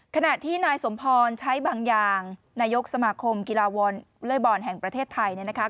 ขณะที่นายสมพรใช้บางอย่างนายกสมาคมกีฬาวอลเล่บอลแห่งประเทศไทยเนี่ยนะคะ